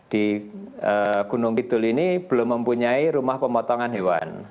di gunung kidul ini belum mempunyai rumah pemotongan hewan